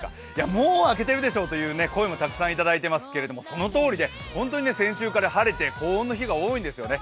もう明けているでしょうという声もたくさんいただいてますがそのとおりで、先週から晴れて高温の日が多いんですよね。